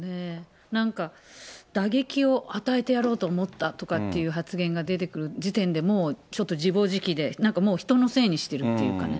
なんか、打撃を与えてやろうと思ったとかって発言が出てくる時点で、もうちょっと自暴自棄で、なんかもう、人のせいにしてるっていうかね。